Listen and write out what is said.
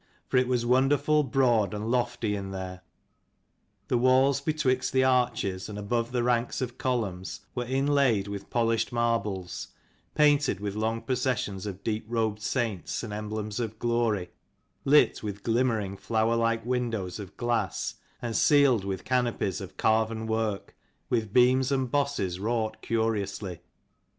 For it was wonderful broad and lofty in there ; the walls betwixt the arches and above the ranks of columns were inlaid with polished marbles, painted with long processions of deep robed saints and emblems of glory, lit with glimmering, flower like windows of glass, and ceiled with canopies of carven work, with beams and bosses wrought curiously.